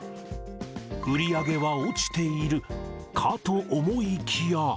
売り上げは落ちているかと思いきや。